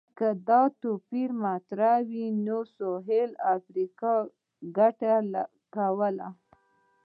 که دا توپیر مطرح وای، نو سویلي امریکا ګټه کوله.